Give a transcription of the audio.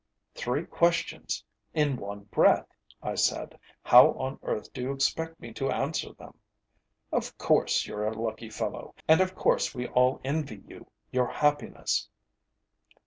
"Three questions in one breath," I said; "how on earth do you expect me to answer them? Of course you're a lucky fellow, and of course we all envy you your happiness."